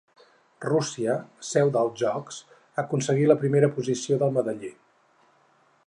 Rússia, seu dels Jocs, aconseguí la primera posició del medaller.